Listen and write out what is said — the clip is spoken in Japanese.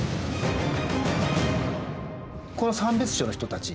この三別抄の人たち